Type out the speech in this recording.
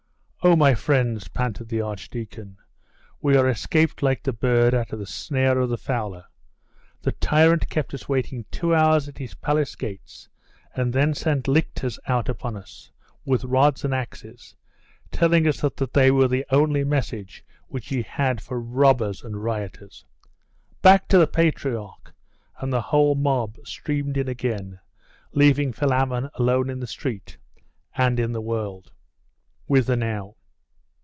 'Oh, my friends,' panted the archdeacon, 'we are escaped like the bird out of the snare of the fowler. The tyrant kept us waiting two hours at his palace gates, and then sent lictors out upon us, with rods and axes, telling us that they were the only message which he had for robbers and rioters.' 'Back to the patriarch!' and the whole mob streamed in again, leaving Philammon alone in the street and in the world. Whither now?